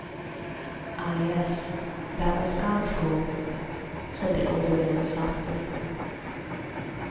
"Ah, yes, that was God's gold," said the older man softly.